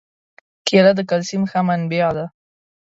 کېله د کلسیم ښه منبع ده.